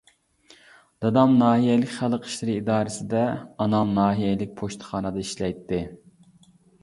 دادام ناھىيەلىك خەلق ئىشلىرى ئىدارىسىدە، ئانام ناھىيەلىك پوچتىخانىدا ئىشلەيتتى.